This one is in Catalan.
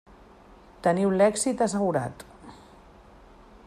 Teniu l'èxit assegurat.